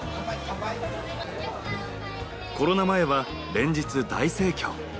コロナ前は連日大盛況。